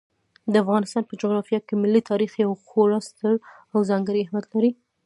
د افغانستان په جغرافیه کې ملي تاریخ یو خورا ستر او ځانګړی اهمیت لري.